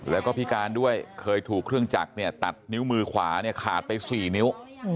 แล้วก็พิการด้วยเคยถูกเครื่องจักรเนี่ยตัดนิ้วมือขวาเนี่ยขาดไป๔นิ้ว